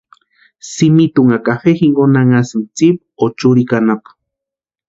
Simitunha cafe jinkoni anhasïni tsipa o churikwa anapu.